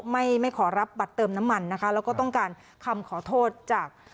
ไม่ไม่ขอรับบัตรเติมน้ำมันนะคะแล้วก็ต้องการคำขอโทษจาก